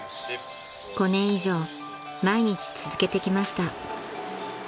［５年以上毎日続けてきました］